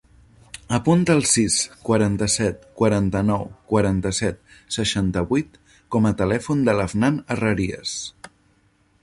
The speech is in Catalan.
Apunta el sis, quaranta-set, quaranta-nou, quaranta-set, seixanta-vuit com a telèfon de l'Afnan Herrerias.